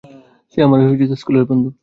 সে আমার স্কুলের বন্ধু।